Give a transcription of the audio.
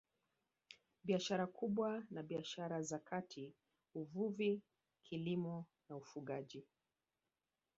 Biashara kubwa na biashara za kati Uvuvi Kilimo na Ufugaji